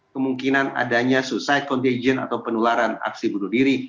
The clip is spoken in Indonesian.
kemungkinan adanya suicide contagion atau penularan aksi bunuh diri